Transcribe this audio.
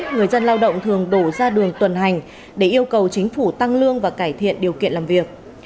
người dân lao động thường đổ ra đường tuần hành để yêu cầu chính phủ tăng lương và cải thiện điều kiện làm việc